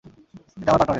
এটা আমার পার্টনারের।